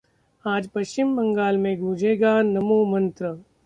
आज पश्चिम बंगाल में गूंजेगा ‘नमो मंत्र’